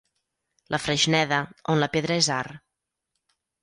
La Freixneda, on la pedra és art.